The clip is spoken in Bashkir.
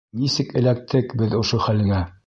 Нисек эләктек беҙ ошо хәлгә?